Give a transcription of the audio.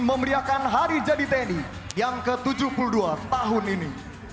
memeriakan hari jadi tni yang ke tujuh puluh dua tahun ini